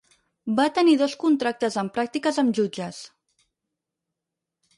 Va tenir dos contractes en pràctiques amb jutges.